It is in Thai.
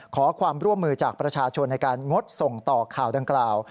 ขอความร่วมมือจากประชาชนในการงดส่งต่อข่าวดังกล่าว